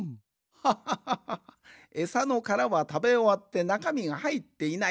ハッハッハッハッハえさのカラはたべおわってなかみがはいっていない。